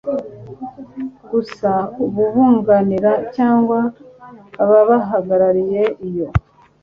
gusa abubunganira cyangwa ababahagarariye iyo